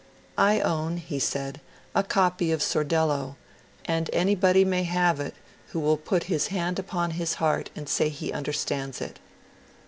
" I own," he said, " a copy of ' Sordello,' and anybody may have it who will put his hand upon his heart and say he understands it."